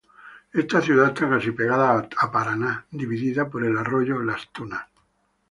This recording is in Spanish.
Esta ciudad está casi pegada a Paraná, dividida por el arroyo Las Tunas.